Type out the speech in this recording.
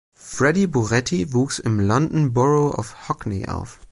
Freddie Burretti wuchs im London Borough of Hackney auf.